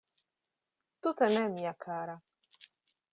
Tute ne, mia kara.